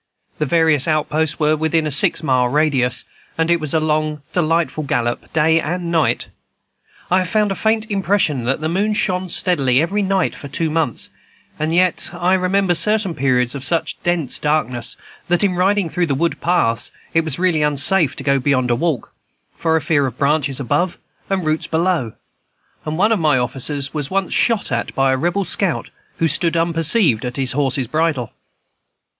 The various outposts were within a six mile radius, and it was one long, delightful gallop, day and night. I have a faint impression that the moon shone steadily every night for two months; and yet I remember certain periods of such dense darkness that in riding through the wood paths it was really unsafe to go beyond a walk, for fear of branches above and roots below; and one of my officers was once shot at by a Rebel scout who stood unperceived at his horse's bridle.